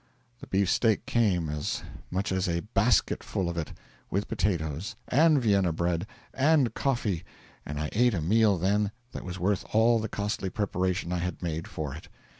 The beefsteak came as much as a basketful of it with potatoes, and Vienna bread and coffee; and I ate a meal then that was worth all the costly preparation I had made for it.